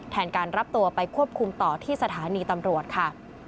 แทนการรับตัวไปควบคุมต่อที่สถานีตำรวจค่ะ